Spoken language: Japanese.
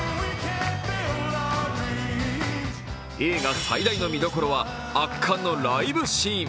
映画最大の見どころは圧巻のライブシーン。